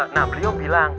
nah beliau bilang